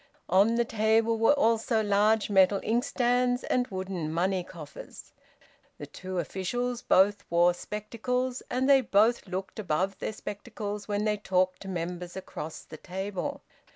On the table were also large metal inkstands and wooden money coffers. The two officials both wore spectacles, and they both looked above their spectacles when they talked to members across the table.